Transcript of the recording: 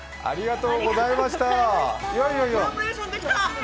コラボレーションできた。